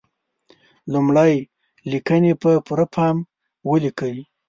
لمړی: لیکنې په پوره پام ولیکئ.